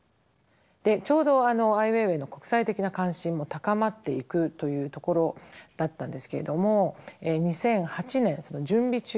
ちょうどアイ・ウェイウェイの国際的な関心も高まっていくというところだったんですけれども２００８年その準備中にですね